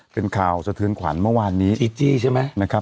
เป็นข่าวสะเทือนขวัญเมื่อวานนี้จีจี้ใช่ไหมนะครับ